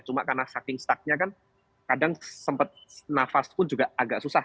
cuma karena saking stucknya kan kadang sempat nafas pun juga agak susah